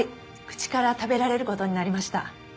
口から食べられる事になりました。